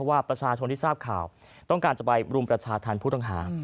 ว่าประชาชนที่ทราบข่าวต้องการจะไปรุมประชาธรรมผู้ต้องหา